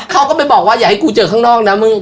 เขาก็ไปบอกว่าอย่าให้กูเจอข้างนอกนะมึง